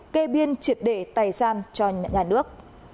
kê biên triệt đề tài gian cho nhà nước